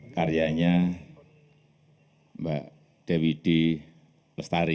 karyanya mbak dewi d lestari